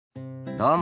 どうも。